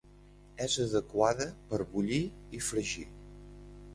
És adequada per bullir i fregir.